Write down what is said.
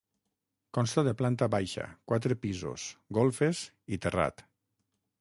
Consta de planta baixa, quatre pisos, golfes i terrat.